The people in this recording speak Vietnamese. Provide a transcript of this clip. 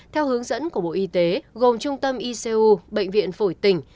theo hướng dẫn của bộ y tế gồm trung tâm icu bệnh viện phổi tỉnh